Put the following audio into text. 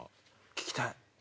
聞きたい。